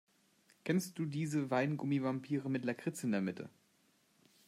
Kennst du diese Weingummi-Vampire mit Lakritz in der Mitte?